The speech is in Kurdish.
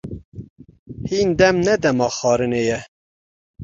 Hîn dem ne dema xwarinê ye.